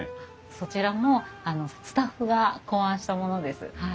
そちらもスタッフが考案したものです。